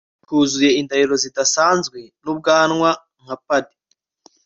Huzuye indahiro zidasanzwe nubwanwa nka pard